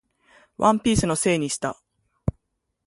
ワンピースのせいにした